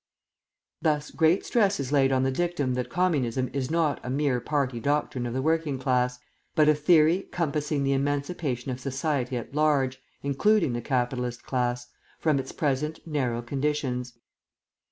Thus great stress is laid on the dictum that Communism is not a mere party doctrine of the working class, but a theory compassing the emancipation of society at large, including the capitalist class, from its present narrow conditions.